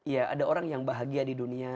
ya ada orang yang bahagia di dunia